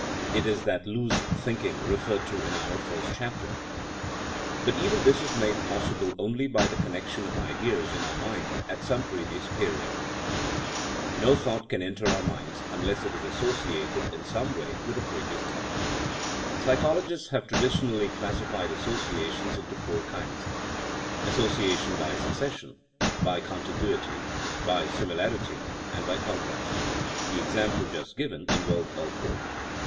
It is that loose thinking'' referred to in our first chapter. But even this is made possible 70 THINKINa AS A 80IEN0E only by the connection of ideas in our mind at some previous period. No thought can enter our minds unless it is associateim jai^ae^ way with ffie" previous thought. Psychologists have traditionally classified associations into four kinds t association by succession, by contiguity, by similarity and by contrast. The example just given involves all four.